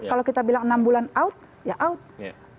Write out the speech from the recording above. kalau kita bilang enam bulan out ya out